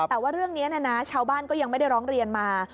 แต่ว่าเรื่องนี้ชาวบ้านก็ยังไม่ได้ร้องเรียนมา